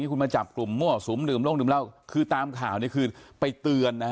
ในปั๊มคุณจับกลุ่มมั่วสุมลืมเรื่องที่ตามข่าวดีคือไปเตือน